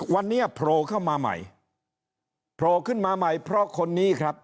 วันนี้โผล่เข้ามาใหม่โผล่ขึ้นมาใหม่เพราะคนนี้ครับ